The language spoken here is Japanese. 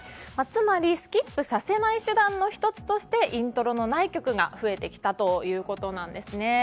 つまりスキップさせない手段の１つとしてイントロのない曲が増えてきたということなんですね。